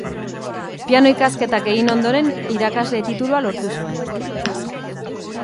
Piano ikasketak egin ondoren irakasle titulua lortu zuen.